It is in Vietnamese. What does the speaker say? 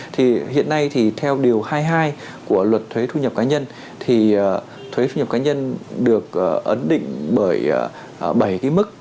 thì hiện nay thì theo điều hai mươi hai của luật thuế thu nhập cá nhân thì thuế thu nhập cá nhân được ấn định bởi bảy cái mức